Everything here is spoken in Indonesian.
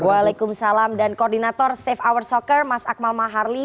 waalaikumsalam dan koordinator safe hour soccer mas akmal maharli